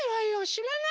しらない！